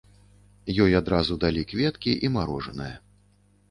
Ёй адразу далі кветкі і марожанае.